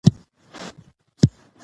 چې نن شپه او ورځ پر پښتو ژبه ملنډې وهي،